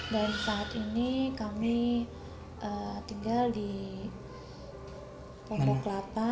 dan saat ini kami tinggal di pobok lapa